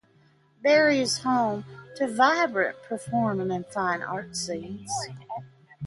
Barrie is home to vibrant performing and fine arts scenes.